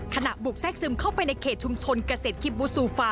ขณะบุกแทรกซึมเข้าไปในเขตชุมชนเกษตรคิบบุซูฟา